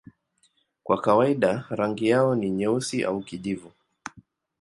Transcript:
Kwa kawaida rangi yao ni nyeusi au kijivu.